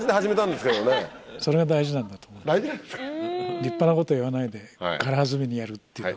立派なこと言わないで軽はずみにやるっていうのが。